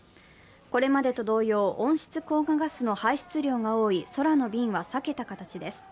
これまでと同様、温室効果ガスの排出量が多い空の便は避けた形です。